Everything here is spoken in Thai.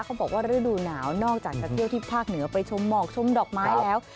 เขาบอกว่าฤดูหนาวนอกจากจะเที่ยวที่ภาคเหนือไปชมหมอกชมดอกไม้แล้ว